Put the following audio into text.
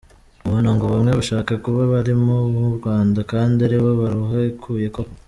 Ubona ngo bamwe bashake kuba abarimu b’u Rwanda kandi aribo baruhekuye koko ?